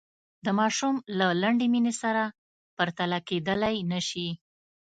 د ماشوم له لنډې مینې سره پرتله کېدلای نه شي.